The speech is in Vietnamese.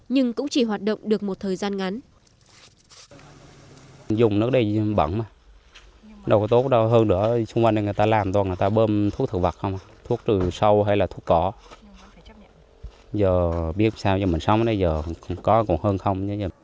nhưng cũng chỉ hoạt động được một thời gian ngắn